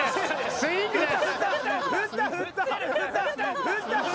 スイングです。